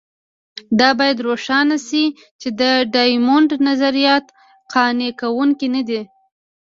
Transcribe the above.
دا باید روښانه شي چې د ډایمونډ نظریات قانع کوونکي نه دي.